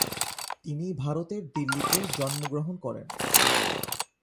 তিনি ভারতের দিল্লীতে জন্মগ্রহণ করেন।